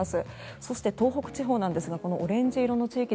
そして、東北地方ですがこのオレンジ色の地域